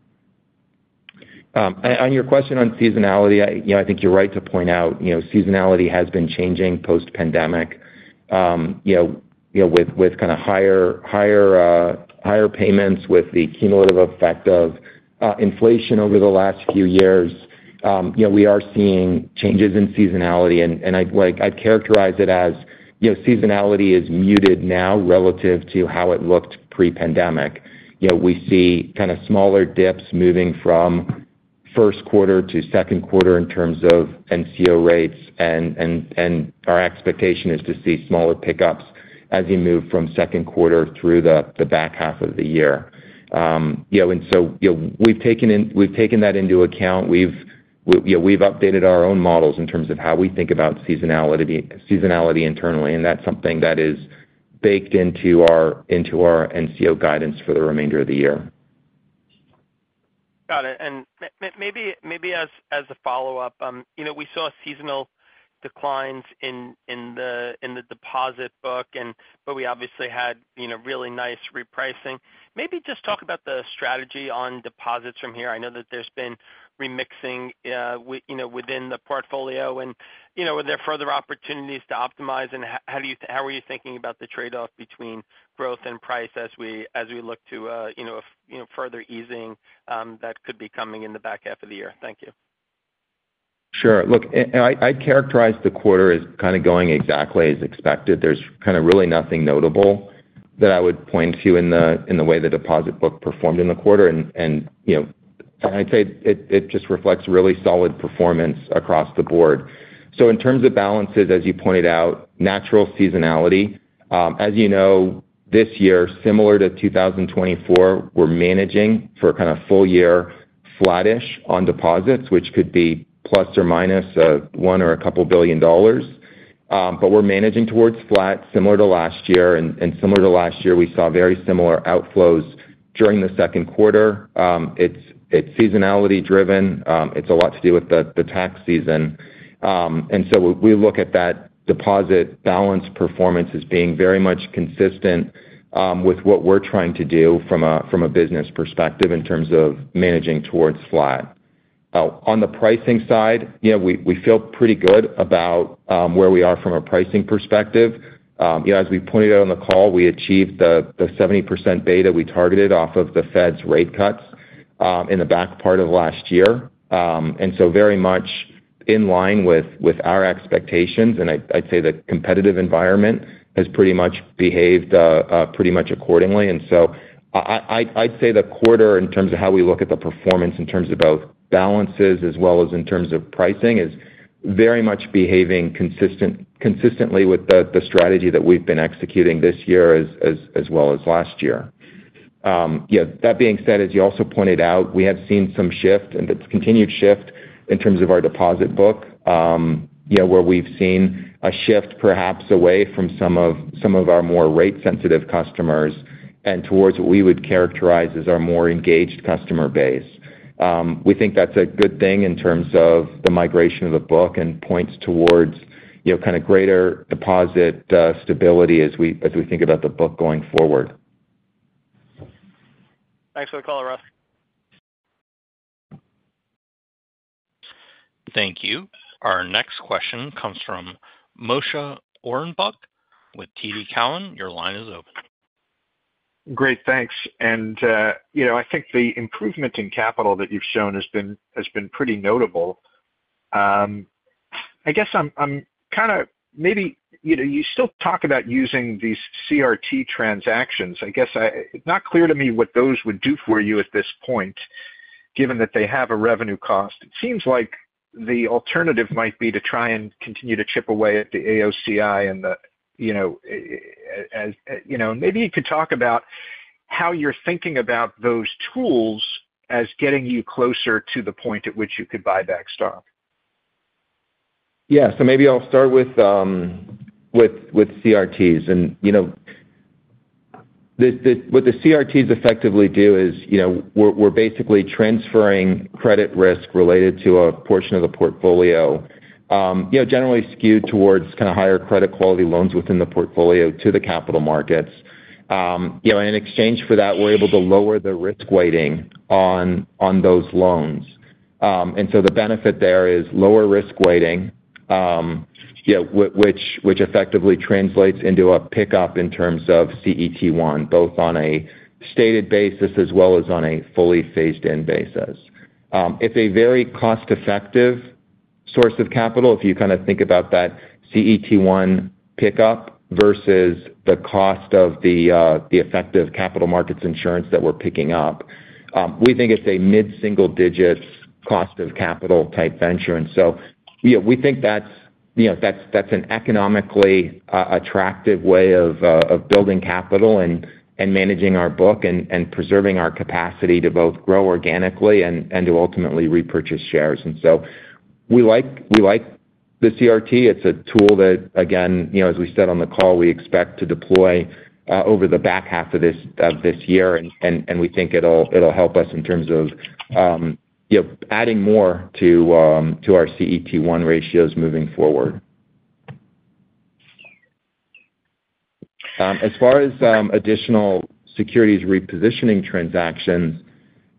On your question on seasonality, I think you are right to point out seasonality has been changing post-pandemic. With kind of higher payments, with the cumulative effect of inflation over the last few years, we are seeing changes in seasonality. I'd characterize it as seasonality is muted now relative to how it looked pre-pandemic. We see kind of smaller dips moving from first quarter to second quarter in terms of NCO rates. Our expectation is to see smaller pickups as you move from second quarter through the back half of the year. We have taken that into account. We have updated our own models in terms of how we think about seasonality internally. That is something that is baked into our NCO guidance for the remainder of the year. Got it. Maybe as a follow-up, we saw seasonal declines in the deposit book, but we obviously had really nice repricing. Maybe just talk about the strategy on deposits from here. I know that there has been remixing within the portfolio. Were there further opportunities to optimize? How were you thinking about the trade-off between growth and price as we look to further easing that could be coming in the back half of the year? Thank you. Sure. I'd characterize the quarter as going exactly as expected. There is really nothing notable that I would point to in the way the deposit book performed in the quarter. I would say it just reflects really solid performance across the board. In terms of balances, as you pointed out, natural seasonality. As you know, this year, similar to 2024, we are managing for kind of full-year flattish on deposits, which could be plus or minus $1 billion or a couple of billion dollars. We are managing towards flat, similar to last year. Similar to last year, we saw very similar outflows during the second quarter. It is seasonality-driven. It is a lot to do with the tax season. We look at that deposit balance performance as being very much consistent with what we are trying to do from a business perspective in terms of managing towards flat. On the pricing side, we feel pretty good about where we are from a pricing perspective. As we pointed out on the call, we achieved the 70% beta we targeted off of the Fed's rate cuts in the back part of last year. Very much in line with our expectations. I would say the competitive environment has pretty much behaved accordingly. The quarter, in terms of how we look at the performance in terms of both balances as well as in terms of pricing, is very much behaving consistently with the strategy that we have been executing this year as well as last year. That being said, as you also pointed out, we have seen some shift, and it is a continued shift in terms of our deposit book, where we have seen a shift perhaps away from some of our more rate-sensitive customers and towards what we would characterize as our more engaged customer base. We think that's a good thing in terms of the migration of the book and points towards kind of greater deposit stability as we think about the book going forward. Thanks for the call, Russ. Thank you. Our next question comes from Moshe Orenbach with TD Cowen. Your line is open. Great. Thanks. And I think the improvement in capital that you've shown has been pretty notable. I guess I'm kind of maybe you still talk about using these CRT transactions. I guess it's not clear to me what those would do for you at this point. Given that they have a revenue cost. It seems like the alternative might be to try and continue to chip away at the AOCI and the. Maybe you could talk about how you're thinking about those tools as getting you closer to the point at which you could buy back stock. Yeah. So maybe I'll start with CRTs. And what the CRTs effectively do is we're basically transferring credit risk related to a portion of the portfolio, generally skewed towards kind of higher credit quality loans within the portfolio, to the capital markets. And in exchange for that, we're able to lower the risk weighting on those loans. And so the benefit there is lower risk weighting, which effectively translates into a pickup in terms of CET1, both on a stated basis as well as on a fully phased-in basis. It's a very cost-effective source of capital. If you kind of think about that CET1 pickup versus the cost of the effective capital markets insurance that we're picking up, we think it's a mid-single-digit cost-of-capital type venture. And so we think that's an economically attractive way of building capital and managing our book and preserving our capacity to both grow organically and to ultimately repurchase shares. And so we like the CRT. It's a tool that, again, as we said on the call, we expect to deploy over the back half of this year. And we think it'll help us in terms of adding more to our CET1 ratios moving forward. As far as additional securities repositioning transactions,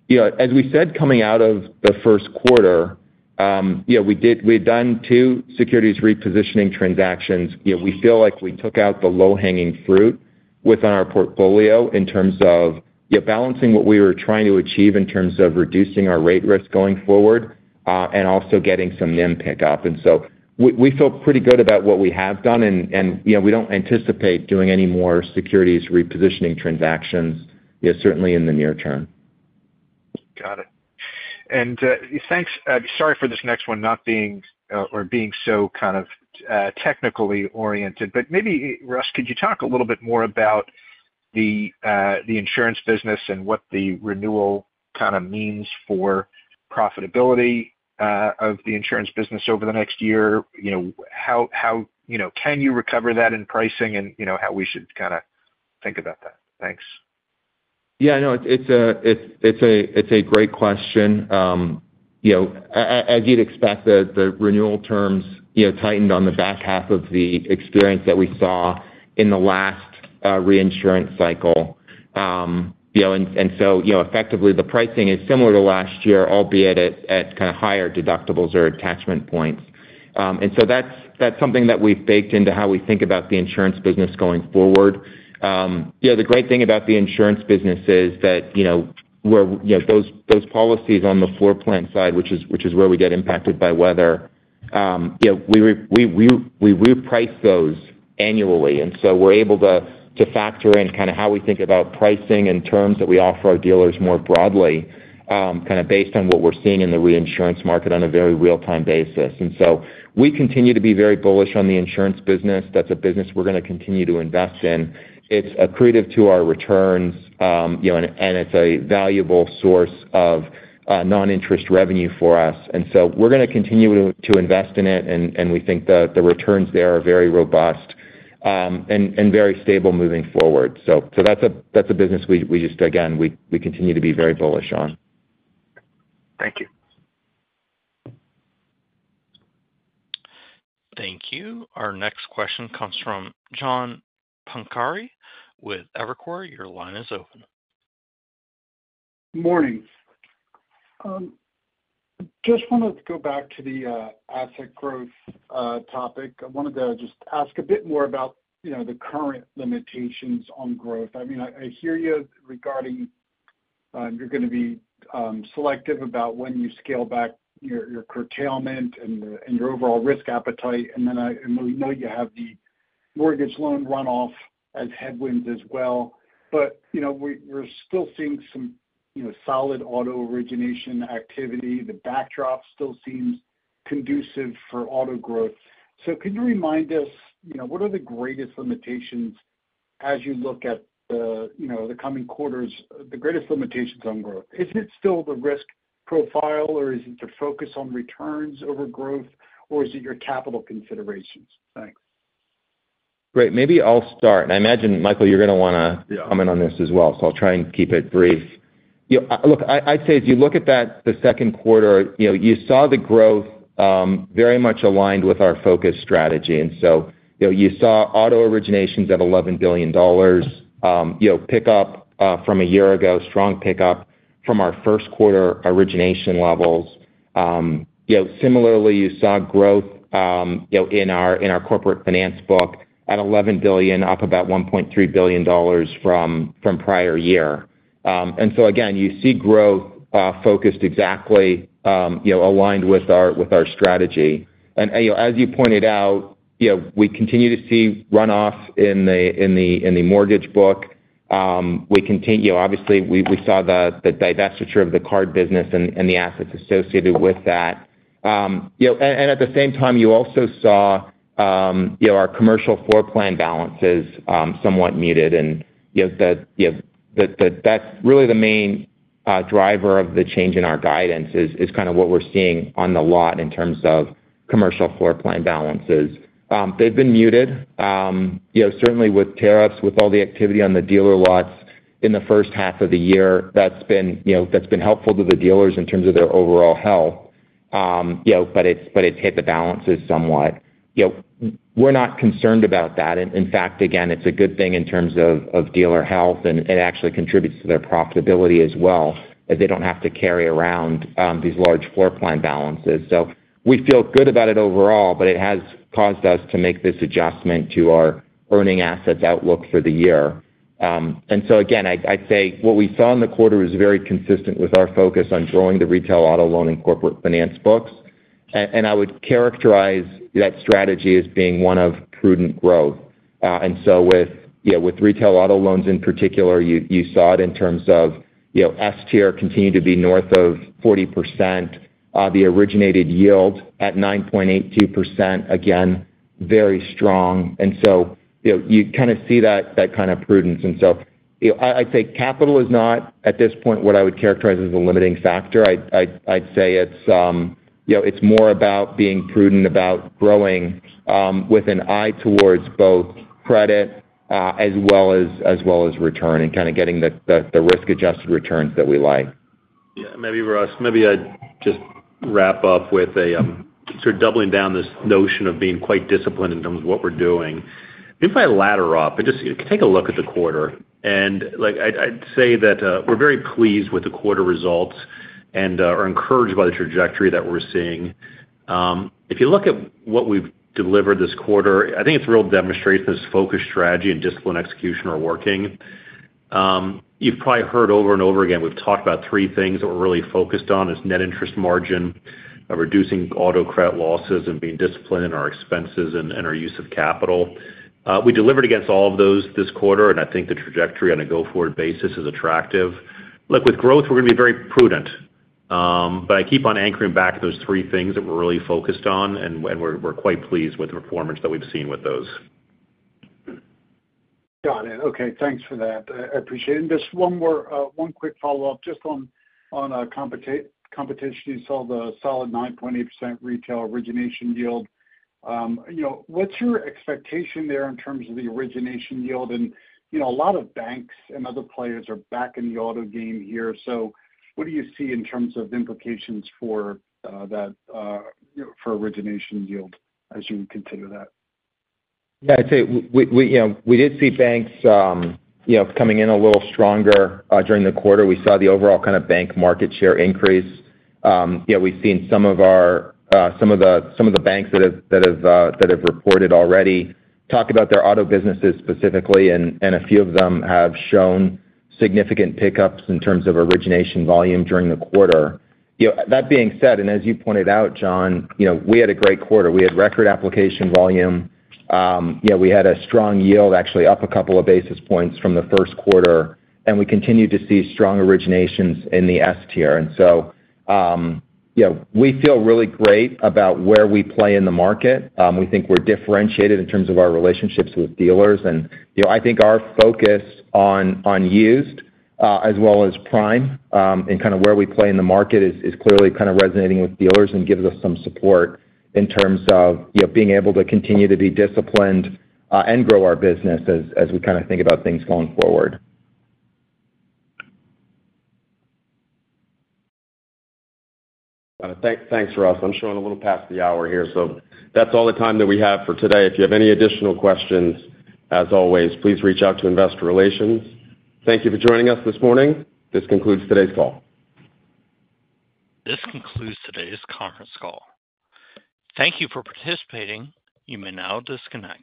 as we said, coming out of the first quarter, we had done two securities repositioning transactions. We feel like we took out the low-hanging fruit within our portfolio in terms of balancing what we were trying to achieve in terms of reducing our rate risk going forward and also getting some NIM pickup. And so we feel pretty good about what we have done. And we don't anticipate doing any more securities repositioning transactions, certainly in the near term. Got it. And sorry for this next one not being or being so kind of technically oriented. But maybe, Russ, could you talk a little bit more about the insurance business and what the renewal kind of means for profitability of the insurance business over the next year? How can you recover that in pricing and how we should kind of think about that? Thanks. Yeah. No, it's a great question. As you'd expect, the renewal terms tightened on the back half of the experience that we saw in the last reinsurance cycle. Effectively, the pricing is similar to last year, albeit at kind of higher deductibles or attachment points. That's something that we've baked into how we think about the insurance business going forward. The great thing about the insurance business is that those policies on the floor plan side, which is where we get impacted by weather, we reprice those annually. We're able to factor in kind of how we think about pricing and terms that we offer our dealers more broadly, kind of based on what we're seeing in the reinsurance market on a very real-time basis. We continue to be very bullish on the insurance business. That's a business we're going to continue to invest in. It's accretive to our returns. It's a valuable source of non-interest revenue for us. We're going to continue to invest in it. We think the returns there are very robust and very stable moving forward. That's a business we just, again, we continue to be very bullish on. Thank you. Thank you. Our next question comes from John Poncari with Evercore. Your line is open. Good morning. Just wanted to go back to the asset growth topic. I wanted to just ask a bit more about the current limitations on growth. I mean, I hear you regarding you're going to be selective about when you scale back your curtailment and your overall risk appetite. I know you have the mortgage loan runoff as headwinds as well. We're still seeing some solid auto origination activity. The backdrop still seems conducive for auto growth. Could you remind us, what are the greatest limitations as you look at the coming quarters? The greatest limitations on growth, is it still the risk profile, or is it the focus on returns over growth, or is it your capital considerations? Thanks. Great. Maybe I'll start. I imagine, Michael, you're going to want to comment on this as well. I'll try and keep it brief. Look, I'd say as you look at that, the second quarter, you saw the growth very much aligned with our focus strategy. You saw auto originations at $11 billion, pickup from a year ago, strong pickup from our first quarter origination levels. Similarly, you saw growth in our corporate finance book at $11 billion, up about $1.3 billion from prior year. Again, you see growth focused exactly aligned with our strategy. As you pointed out, we continue to see runoff in the mortgage book. Obviously, we saw the divestiture of the card business and the assets associated with that. At the same time, you also saw our commercial floor plan balances somewhat muted. That's really the main driver of the change in our guidance is kind of what we're seeing on the lot in terms of commercial floor plan balances. They've been muted. Certainly with tariffs, with all the activity on the dealer lots in the first half of the year, that's been helpful to the dealers in terms of their overall health. It has hit the balances somewhat. We're not concerned about that. In fact, again, it's a good thing in terms of dealer health. It actually contributes to their profitability as well, as they don't have to carry around these large floor plan balances. We feel good about it overall, but it has caused us to make this adjustment to our earning assets outlook for the year. Again, I'd say what we saw in the quarter was very consistent with our focus on growing the retail auto loan and corporate finance books. I would characterize that strategy as being one of prudent growth. With retail auto loans in particular, you saw it in terms of S-tier continued to be north of 40%. The originated yield at 9.82%, again, very strong. You kind of see that kind of prudence. I'd say capital is not, at this point, what I would characterize as a limiting factor. I'd say it's more about being prudent about growing with an eye towards both credit as well as return and kind of getting the risk-adjusted returns that we like. Yeah. Maybe, Russ, maybe I'd just wrap up with sort of doubling down this notion of being quite disciplined in terms of what we're doing. Maybe if I ladder up and just take a look at the quarter. I'd say that we're very pleased with the quarter results and are encouraged by the trajectory that we're seeing. If you look at what we've delivered this quarter, I think it's real demonstrations of focused strategy and discipline execution are working. You've probably heard over and over again, we've talked about three things that we're really focused on: net interest margin, reducing auto credit losses, and being disciplined in our expenses and our use of capital. We delivered against all of those this quarter. I think the trajectory on a go-forward basis is attractive. Look, with growth, we're going to be very prudent. I keep on anchoring back those three things that we're really focused on. We're quite pleased with the performance that we've seen with those. Got it. Okay. Thanks for that. I appreciate it. Just one quick follow-up just on competition, you saw the solid 9.8% retail origination yield. What's your expectation there in terms of the origination yield? A lot of banks and other players are back in the auto game here. What do you see in terms of implications for that origination yield as you consider that? Yeah. I'd say we did see banks. Coming in a little stronger during the quarter. We saw the overall kind of bank market share increase. We've seen some of the banks that have reported already talk about their auto businesses specifically. A few of them have shown significant pickups in terms of origination volume during the quarter. That being said, and as you pointed out, John, we had a great quarter. We had record application volume. We had a strong yield, actually up a couple of basis points from the first quarter. We continue to see strong originations in the S-tier. We feel really great about where we play in the market. We think we're differentiated in terms of our relationships with dealers. I think our focus on used as well as prime and kind of where we play in the market is clearly kind of resonating with dealers and gives us some support in terms of being able to continue to be disciplined and grow our business as we kind of think about things going forward. Thanks, Russ. I'm showing a little past the hour here. That's all the time that we have for today. If you have any additional questions, as always, please reach out to Investor Relations. Thank you for joining us this morning. This concludes today's call. This concludes today's conference call. Thank you for participating. You may now disconnect.